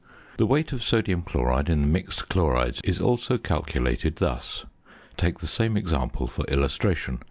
The weight of sodium chloride in the mixed chlorides is also calculated thus: Take the same example for illustration.